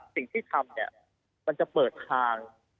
สิ่งที่ทำเนี่ยมันจะเปิดทาง